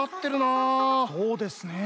そうですねえ。